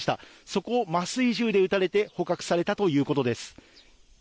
そこを麻酔銃で撃たれて捕獲されたということです。